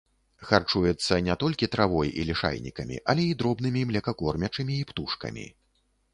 Харчуецца не толькі травой і лішайнікамі, але і дробнымі млекакормячымі і птушкамі.